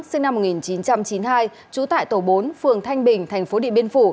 sinh năm một nghìn chín trăm chín mươi hai trú tại tổ bốn phường thanh bình thành phố điện biên phủ